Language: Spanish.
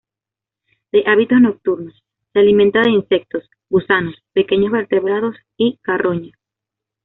De hábitos nocturnos; se alimenta de insectos, gusanos, pequeños vertebrados y, carroña.